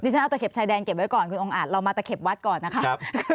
ฉันเอาตะเข็บชายแดนเก็บไว้ก่อนคุณองค์อาจเรามาตะเข็บวัดก่อนนะครับ